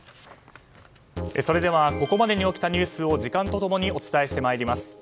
それではここまでに起きたニュースを時間と共にお伝えしてまいります。